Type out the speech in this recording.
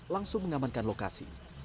langsung mengamankan lokasi